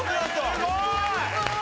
すごい！